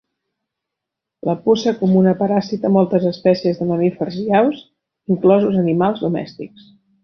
La puça comuna parasita moltes espècies de mamífers i aus, inclosos animals domèstics.